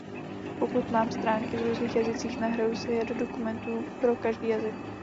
Pokud mám stránky v různých jazycích, nahraju si je do dokumentů pro každý jazyk.